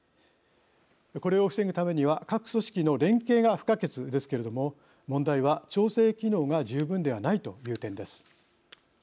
これを防ぐためには各組織の連携が不可欠ですけれども問題は調整機能が十分ではないという点です。